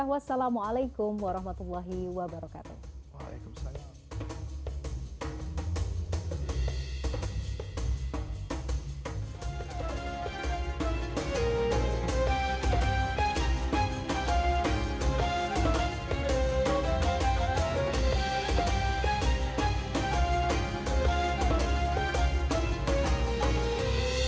wassalamualaikum warahmatullahi wabarakatuh